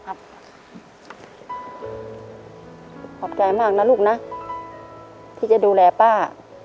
ขอบใจมากนะลูกนะที่จะดูแลป้า